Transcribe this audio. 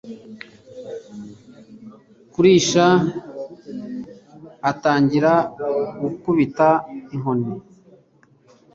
kurisha, atangira gukubita inkoni